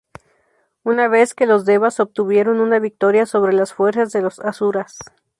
Una vez que los devas obtuvieron una victoria sobre las fuerzas de los asuras.